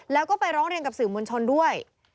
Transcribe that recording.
แล้วก็ไปร้องเรียนกับสื่อมวลชนด้วย